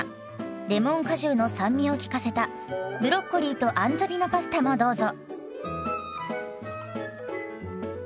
レモン果汁の酸味を効かせたブロッコリーとアンチョビのパスタもどうぞ。